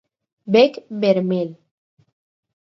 Bec vermell.